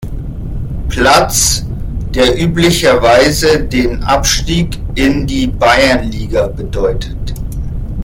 Platz, der üblicherweise den Abstieg in die Bayernliga bedeutet.